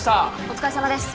お疲れさまです